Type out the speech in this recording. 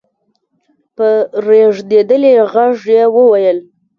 په رېږدېدلې غږ يې وويل: